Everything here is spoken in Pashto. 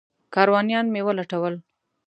کاروانیان مې ولټول.